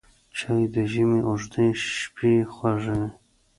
چای د ژمي اوږدې شپې خوږوي